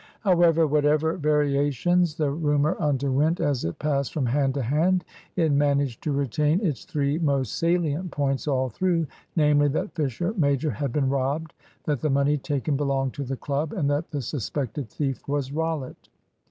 However, whatever variations the rumour underwent as it passed from hand to hand, it managed to retain its three most salient points all through namely, that Fisher major had been robbed; that the money taken belonged to the club; and that the suspected thief was Rollitt.